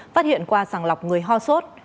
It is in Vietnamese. phát hiện qua sẳng lọc người ho sốt